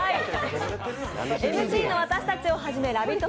ＭＣの私たちをはじめラヴィット！